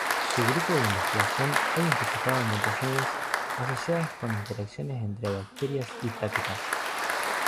Su grupo de investigación ha identificado mutaciones asociadas con interacciones entre bacterias y plaquetas.